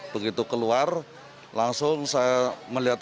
begitu keluar langsung saya melihat